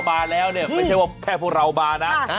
ไม่ใช่ว่าแค่พวกเรามานะ